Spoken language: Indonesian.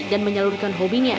dan menyalurkan hobinya